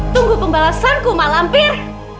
tunggu pembalasanku mak lampir